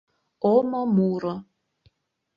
ОМО МУРО